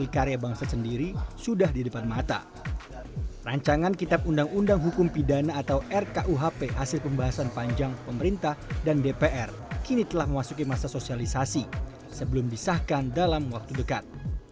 rancangan kitab undang undang hukum pidana atau rkuhp hasil pembahasan panjang pemerintah dan dpr kini telah memasuki masa sosialisasi sebelum disahkan dalam waktu dekat